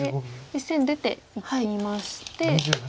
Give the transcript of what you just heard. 実戦出ていきまして。